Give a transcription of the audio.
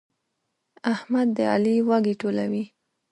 احمد د علي وږي ټولوي.